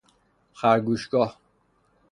خرگوشگاه